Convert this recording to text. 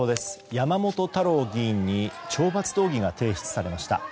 山本太郎議員に懲罰動議が提出されました。